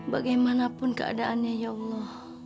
bagaimanapun keadaannya ya allah